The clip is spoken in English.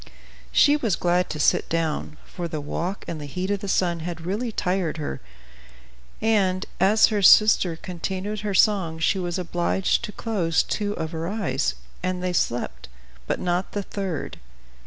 She was glad to sit down, for the walk and the heat of the sun had really tired her; and, as her sister continued her song, she was obliged to close two of her eyes, and they slept, but not the third.